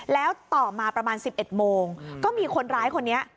แล้วต่อมาประมาณ๑๑โมงก็มีคนร้ายคนนี้